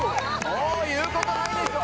もう言うことないでしょ